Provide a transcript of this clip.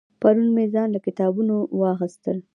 پرون مې ځان له کتابونه واغستل